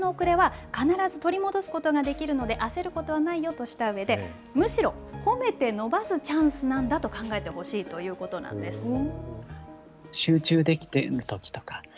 学習の遅れは必ず取り戻すことができるので、焦ることはないよとしたうえで、むしろ褒めて伸ばすチャンスなんだと考えてほしいということなんです。